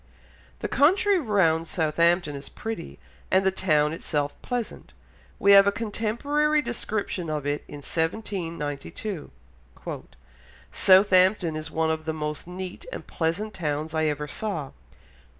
The country round Southampton is pretty, and the town itself pleasant; we have a contemporary description of it in 1792. "Southampton is one of the most neat and pleasant towns I ever saw